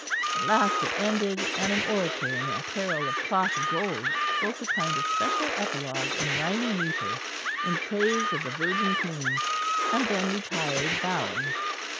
At last it ended; and an "orator" in apparel of cloth of gold, spoke a kind of special epilogue in rhyming metre in praise of the Virgin Queen, and then retired bowing.